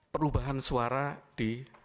perubahan suara di